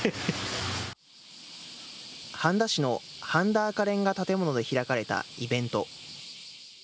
半田市の半田赤レンガ建物で開かれたイベント。